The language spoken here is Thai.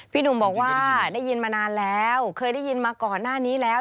พี่หนุ่มบอกว่าได้ยินมานานแล้วเคยได้ยินมาก่อนหน้านี้แล้ว